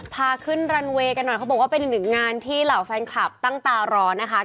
พาขึ้นรันเวย์กันหน่อยเขาบอกว่าเป็นอีกหนึ่งงานที่เหล่าแฟนคลับตั้งตารอนะคะ